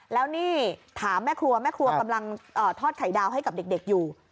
แล้วนี่ถามแม่ครัวแม่ครัวกำลังทอดไข่ดาวให้กับเด็กอยู่